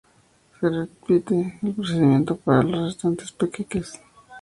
Se repite el procedimiento para los restantes panqueques.